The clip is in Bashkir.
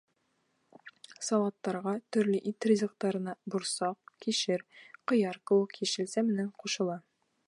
Салаттарға, төрлө ит ризыҡтарына борсаҡ, кишер, ҡыяр кеүек йәшелсә менән ҡушыла.